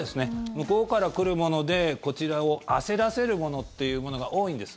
向こうから来るものでこちらを焦らせるものというものが多いんです。